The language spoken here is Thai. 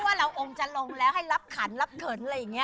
ว่าเราองค์จะลงแล้วให้รับขันรับเขินอะไรอย่างนี้